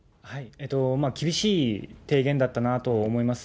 厳しい提言だったなと思います。